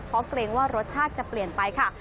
เพราะเกรงว่ารสชาติจะเปลี่ยนไปค่ะ